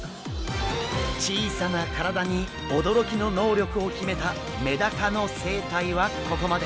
小さな体に驚きの能力を秘めたメダカの生態はここまで。